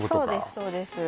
そうです